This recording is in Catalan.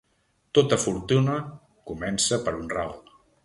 Tota fortuna comença per un ral.